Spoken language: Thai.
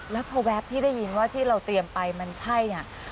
แล้วพอแป๊บที่ได้ยินว่าที่เราเตรียมไปมันใช่เนี่ย